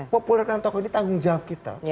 populerkan tokoh ini tanggung jawab kita